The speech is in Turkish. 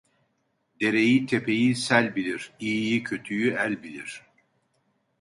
Dereyi, tepeyi sel bilir; iyiyi kötüyü el bilir.